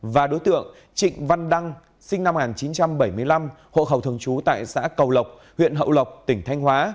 và đối tượng trịnh văn đăng sinh năm một nghìn chín trăm bảy mươi năm hộ khẩu thường trú tại xã cầu lộc huyện hậu lộc tỉnh thanh hóa